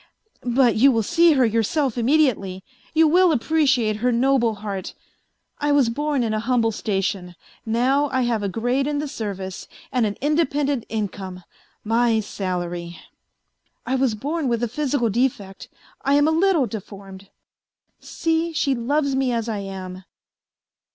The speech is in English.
... But you will see her yourself immediately, you will appreciate her noble heart. I was born in a humble station, now I have a grade in the service and an independent income my salary. I was born with a physical defect, I am a little deformed. See, she loves me as I am.